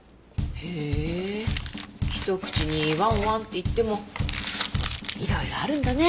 へえ一口に「ワンワン」っていってもいろいろあるんだね。